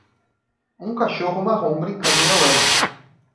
Um cachorro marrom brincando na lama.